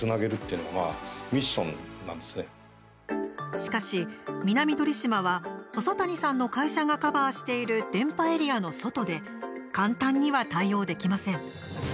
しかし、南鳥島は細谷さんの会社がカバーしている電波エリアの外で簡単には対応できません。